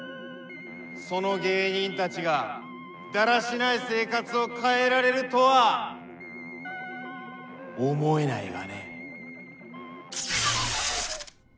その芸人たちがだらしない生活を変えられるとは思えないがね。